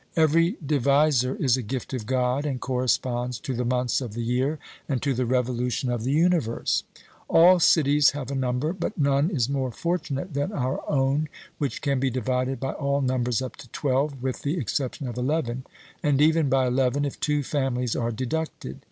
Every divisor is a gift of God, and corresponds to the months of the year and to the revolution of the universe. All cities have a number, but none is more fortunate than our own, which can be divided by all numbers up to 12, with the exception of 11, and even by 11, if two families are deducted.